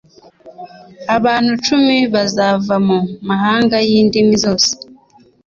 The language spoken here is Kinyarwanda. abantu cumi bazava mu mahanga y indimi zose